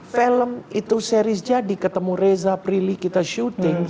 film itu series jadi ketemu reza prilly kita syuting